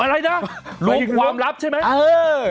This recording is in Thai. อะไรนะลงความลับใช่ไหมเออ